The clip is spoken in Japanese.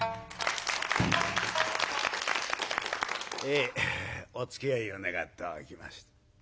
えおつきあいを願っておきまして。